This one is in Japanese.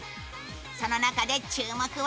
その中で注目は